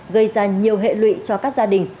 gây ra nhiều hệ lụy cho các gia đình